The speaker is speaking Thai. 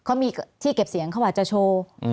เขามีที่เก็บเสียงเขาอาจจะโชว์